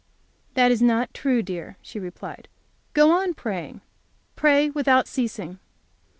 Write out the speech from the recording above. "That is not true, dear," she replied; "go on praying pray without ceasing."